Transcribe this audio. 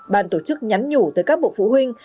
bàn tổ chức nhắn nhủ tới các bộ phụ huynh